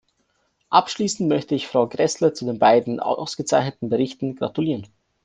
Abschließend möchte ich Frau Gräßle zu den beiden ausgezeichneten Berichten gratulieren.